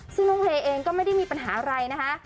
ซึ่งน้องเฮเองก็ไม่ได้มีปัญหาอะไรนะคะ